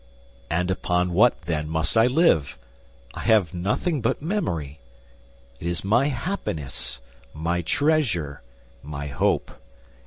"And upon what then must I live? I have nothing but memory. It is my happiness, my treasure, my hope.